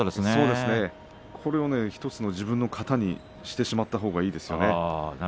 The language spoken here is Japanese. これを自分の型にしてしまったほうがいいですね。